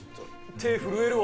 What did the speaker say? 手震えるわ。